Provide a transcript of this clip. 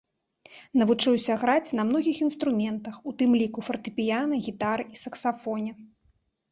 Навучыўся граць на многіх інструментах, у тым ліку фартэпіяна, гітары і саксафоне.